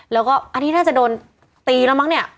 แล้วก็อันนี้น่าจะโดนตีแล้วมั้งเนี่ย